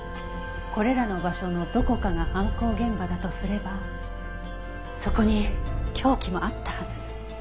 これらの場所のどこかが犯行現場だとすればそこに凶器もあったはず。